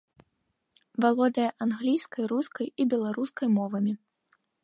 Валодае англійскай, рускай і беларускай мовамі.